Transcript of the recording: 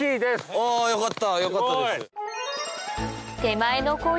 あよかった。